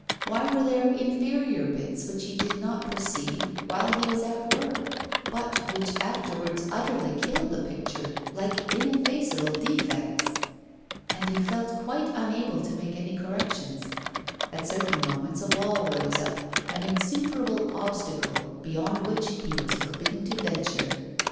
Why were there inferior bits, which he did not perceive while he was at work, but which afterwards utterly killed the picture like ineffaceable defects? And he felt quite unable to make any corrections; at certain moments a wall rose up, an insuperable obstacle, beyond which he was forbidden to venture.